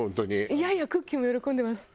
いやいやクッキーも喜んでます。